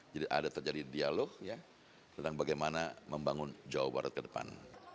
jadi ada terjadi dialog tentang bagaimana membangun jawa barat ke depan